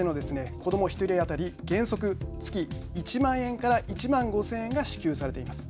子ども１人当たり原則、月１万円から１万５０００円が支給されています。